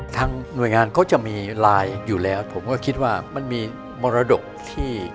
หน่วยงานเขาจะมีไลน์อยู่แล้วผมก็คิดว่ามันมีมรดกที่